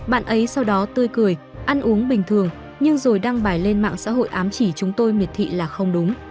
bạn ấy sau đó tươi cười ăn uống bình thường nhưng rồi đăng bài lên mạng xã hội ám chỉ chúng tôi miệt thị là không đúng